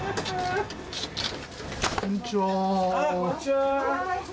あっ、こんにちは。